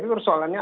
tak terlalu banyak